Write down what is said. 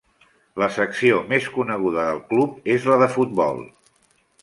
La secció més coneguda del club és la de futbol.